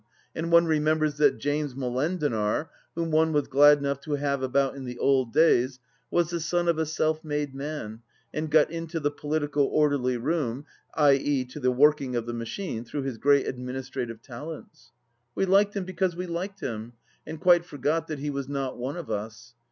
And one remembers that James Molendinar, whom one was glad enough to have about in the old days, was the son of a self made man and got in to the Political Orderly Room, i.e. to the working of the machine, through his great administrative talents. We liked him because we liked him, and quite forgot that he was not one of us.